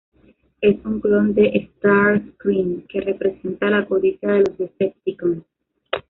Es un clon de Starscream, que representa la codicia de los Decepticons.